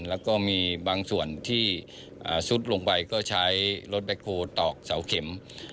แล้วก็มีบางส่วนที่ซุดลงไปก็ใช้รถแบ็คโฮลตอกเสาเข็ม